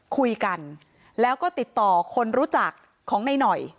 คุยกันแล้วก็ติดต่อคนรู้จักของในหน่อย